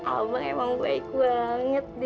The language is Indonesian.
abang emang baik banget deh